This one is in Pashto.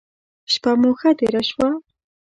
شپه مو ښه تیره شوه.